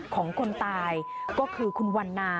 คุณผู้ชมคุณผู้ชมคุณผู้ชม